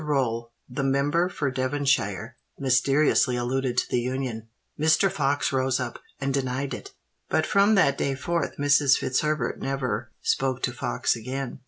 Rolle, the member for Devonshire, mysteriously alluded to the union: Mr. Fox rose up, and denied it; but from that day forth Mrs. Fitzherbert never spoke to Fox again.